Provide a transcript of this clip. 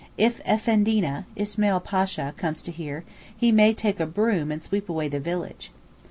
If Effendina (Ismail Pasha) comes to hear, he may "take a broom and sweep away the village."